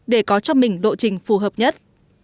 để có cho mình độ trình phù hợp nhất